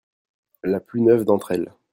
La plus neuve d'entre elles.